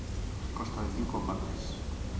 Consta de cinco partes.